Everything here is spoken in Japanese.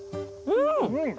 うん！